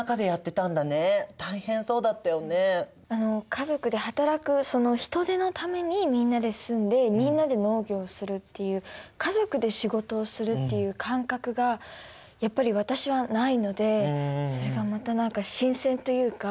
家族で働くその人手のためにみんなで住んでみんなで農業するっていう家族で仕事をするっていう感覚がやっぱり私はないのでそれがまた何か新鮮というか。